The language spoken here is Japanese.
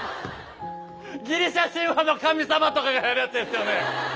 ギリシャ神話の神様とかがやるやつですよね。